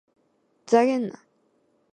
ふざけんな！